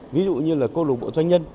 ví dụ như là cô lục bộ doanh nhân